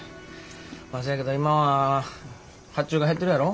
まあせやけど今は発注が減ってるやろ。